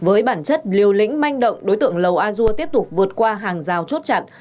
với bản chất liều lĩnh manh động đối tượng lầu a dua tiếp tục vượt qua hàng rào chốt chặn